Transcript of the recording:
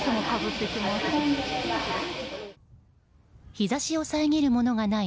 日差しを遮るものがない